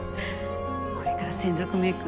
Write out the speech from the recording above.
これから専属メイク